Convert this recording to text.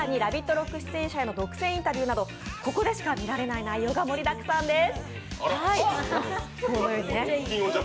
ＲＯＣＫ出演者独占インタビューなど、ここでしか見られない内容が盛りだくさんです。